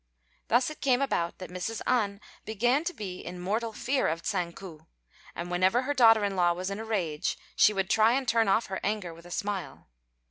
Thus it came about that Mrs. An began to be in mortal fear of Tsang ku; and whenever her daughter in law was in a rage she would try and turn off her anger with a smile.